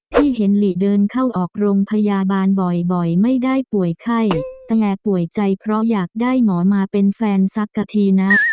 ที่เห็นหลีเดินเข้าออกโรงพยาบาลบ่อยไม่ได้ป่วยไข้แต่ป่วยใจเพราะอยากได้หมอมาเป็นแฟนสักกะทีนะ